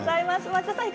町田さん